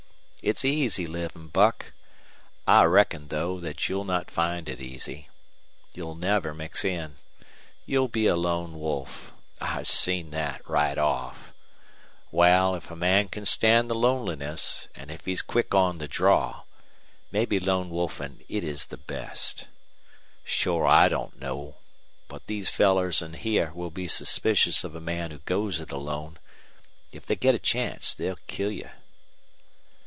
It's easy livin', Buck. I reckon, though, that you'll not find it easy. You'll never mix in. You'll be a lone wolf. I seen that right off. Wal, if a man can stand the loneliness, an' if he's quick on the draw, mebbe lone wolfin' it is the best. Shore I don't know. But these fellers in here will be suspicious of a man who goes it alone. If they get a chance they'll kill you."